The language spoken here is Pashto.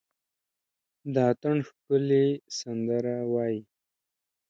د اټن ښکلي سندره وايي،